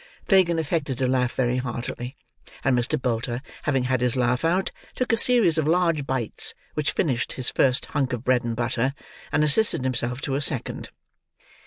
ha!" Fagin affected to laugh very heartily; and Mr. Bolter having had his laugh out, took a series of large bites, which finished his first hunk of bread and butter, and assisted himself to a second.